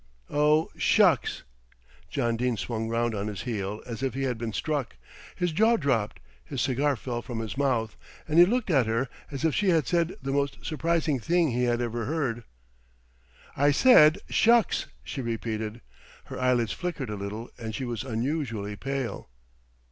"Oh, shucks!" John Dene swung round on his heel as if he had been struck. His jaw dropped, his cigar fell from his mouth, and he looked at her as if she had said the most surprising thing he had ever heard. "I said 'shucks'" she repeated. Her eyelids flickered a little and she was unusually pale.